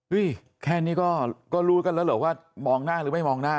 แค่นี้ก็รู้กันแล้วเหรอว่ามองหน้าหรือไม่มองหน้า